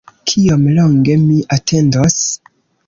Kiom longe mi atendos?